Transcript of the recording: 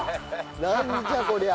なんじゃこりゃ！